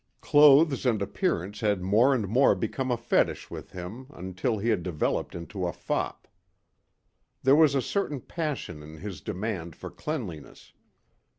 Clothes and appearance had more and more become a fetish with him until he had developed into a fop. There was a certain passion in his demand for cleanliness.